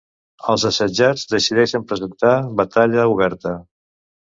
Els assetjats decideixen presentar batalla oberta.